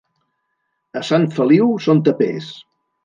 A Sant Feliu són tapers.